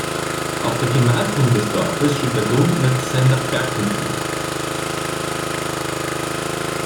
Auf der Gemarkung des Dorfes steht der Grundnetzsender Berkenthin.